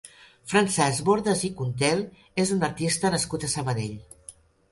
Francesc Bordas i Contel és un artista nascut a Sabadell.